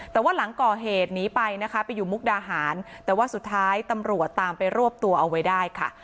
แต่ว่าหลังก่อเหตุหนีไปนะคะไปอยู่มุกดาหารแต่ว่าสุดท้ายตำรวจตามไปรวบตัวเอาไว้ได้ค่ะ